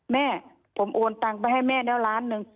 แม่ผมโอนตังไปให้แม่แล้วล้านหนึ่ง